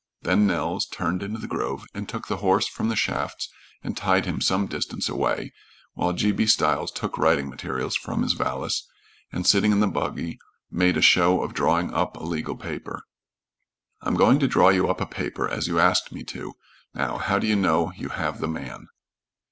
Then Nels turned into the grove and took the horse from the shafts and tied him some distance away, while G. B. Stiles took writing materials from his valise, and, sitting in the buggy, made a show of drawing up a legal paper. "I'm going to draw you up a paper as you asked me to. Now how do you know you have the man?"